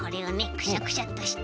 くしゃくしゃっとして。